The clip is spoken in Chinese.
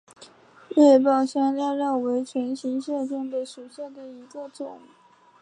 裂苞香科科为唇形科香科科属下的一个种。